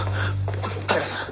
平さん